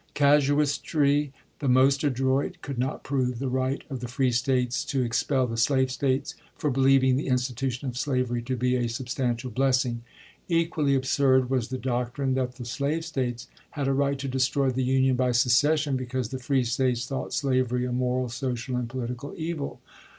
Casuistry the most adroit could not prove the right of the free States to expel the slave States for believing the institution of slavery to be a substantial blessing ; equally absurd was the doc trine that the slave States had a right to destroy the Union by secession because the free States thought slavery a moral, social, and political evil.